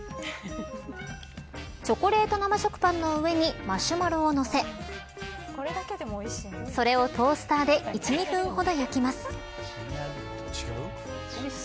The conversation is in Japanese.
チョコレート生食パンの上にマシュマロをのせそれをトースターで１、２分ほど焼きます。